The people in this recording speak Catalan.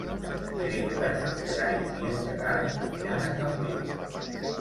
Dimecres en Gerai i en Gerard aniran a Campins.